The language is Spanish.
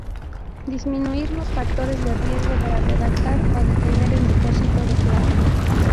Disminuir los factores de riesgo para retardar o detener el depósito de placa.